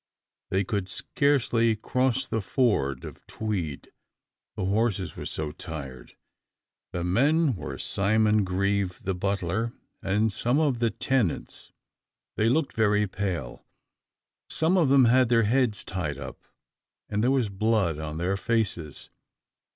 They could scarcely cross the ford of Tweed, the horses were so tired. The men were Simon Grieve the butler, and some of the tenants. They looked very pale; some of them had their heads tied up, and there was blood on their faces.